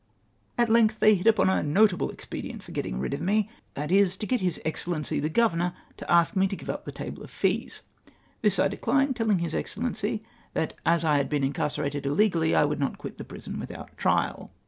At length they hit upon a notable expedient for getting rid of me, viz, to get His Excellency the Governor to ask me to give up the table of fees. This I dechned, telhng His Excellency that as I had been incarcerated illegally I would not quit the prison without trial.